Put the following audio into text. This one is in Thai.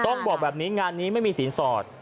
ต้องบอกแบบนี้งานนี้ไม่มีสินสอด